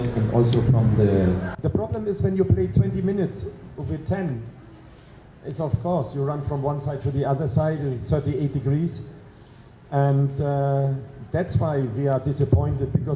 itu sebabnya kita disapun karena ketika kita bermain dengan sebelas tidak ada yang berlaku